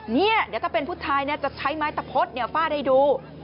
นี่ถ้าเป็นพุทธทายจะใช้ไม้ตะพดฝ้าได้ดู